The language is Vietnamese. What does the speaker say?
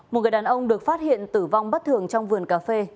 một người đàn ông được phát hiện tử vong bất thường trong vườn cà phê